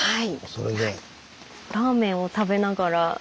それで。